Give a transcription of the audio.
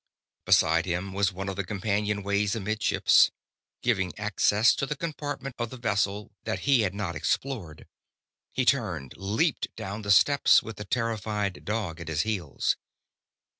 Beside him was one of the companionways amidships, giving access to a compartment of the vessel that he had not explored. He turned, leaped down the steps, with the terrified dog at his heels.